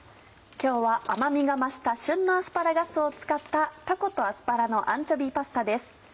今日は甘みが増した旬のアスパラガスを使った「たことアスパラのアンチョビーパスタ」です。